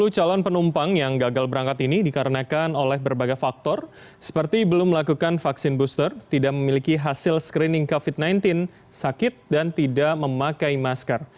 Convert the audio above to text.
tiga puluh calon penumpang yang gagal berangkat ini dikarenakan oleh berbagai faktor seperti belum melakukan vaksin booster tidak memiliki hasil screening covid sembilan belas sakit dan tidak memakai masker